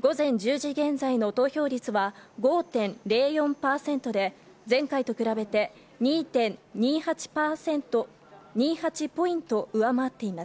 午前１０時現在の投票率は、５．０４％で、前回と比べて２．２８ポイント上回っています。